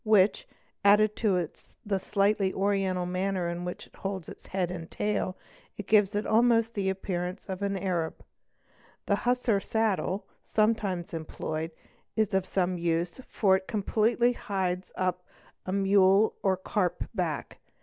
which, added to the slightly oriental manner in which it holds its head' and tail, gives it almost the appearance of an Arab. The hussar saddle, sometimes employed, is of some use, for it completely hides up a mule or carp back.